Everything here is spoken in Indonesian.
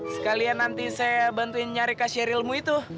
sekalian nanti saya bantuin nyari kasih erilmu itu